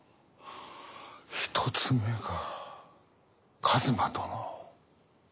一つ目が一馬殿を。